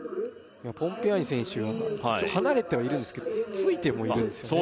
ポンピアーニ選手が離れてはいるんですけどついてもいるんですよね